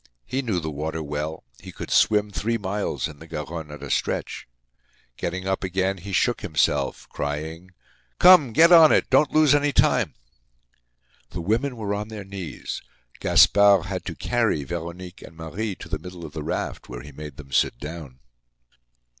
He knew the water well; he could swim three miles in the Garonne at a stretch. Getting up again, he shook himself, crying: "Come, get on it! Don't lose any time!" The women were on their knees. Gaspard had to carry Veronique and Marie to the middle of the raft, where he made them sit down.